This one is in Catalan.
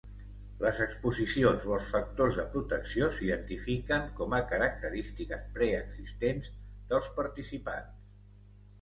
Les exposicions o els factors de protecció s'identifiquen com a característiques preexistents dels participants.